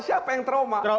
siapa yang trauma